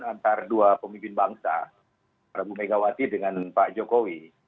antara dua pemimpin bangsa pak bumegawati dengan pak jokowi